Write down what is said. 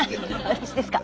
私ですか？